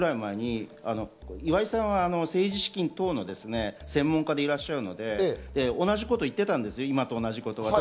１０年くらい前に岩井さんも政治資金等の専門家でいらっしゃるので、同じことを言ってたんです。